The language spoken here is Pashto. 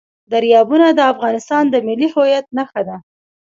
دریابونه د افغانستان د ملي هویت نښه ده.